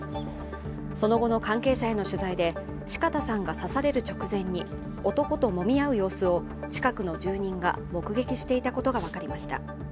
その後の関係者への取材で四方さんが刺される直前に男ともみ合う様子を近くの住人が目撃していたことが分かりました。